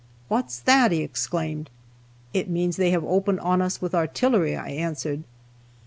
"What's that?" he exclaimed. "It means they have opened on us with artillery," I answered.